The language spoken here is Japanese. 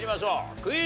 クイズ。